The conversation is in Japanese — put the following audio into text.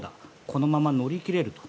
このまま乗り切れると。